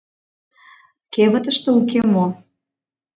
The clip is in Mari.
Кевытыште уке мо?